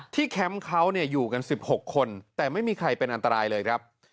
แคมป์เขาอยู่กัน๑๖คนแต่ไม่มีใครเป็นอันตรายเลยครับ